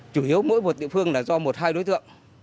chủ yếu mỗi một địa phương là do một hai đối tượng